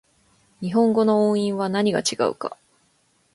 日本語の音韻は何が違うか